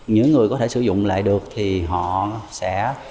những người có thể sử dụng lại được thì họ sẽ